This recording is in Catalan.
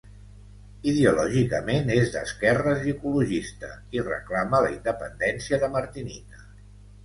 Ideològicament és d'esquerres i ecologista, i reclama la independència de Martinica.